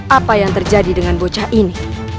apa yang terjadi dengan bocah ini